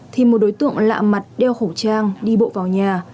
thì một đối tượng lạ mặt đeo khẩu trang đi bộ vào nhà